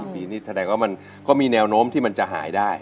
ปีนี้แสดงว่ามันก็มีแนวโน้มที่มันจะหายได้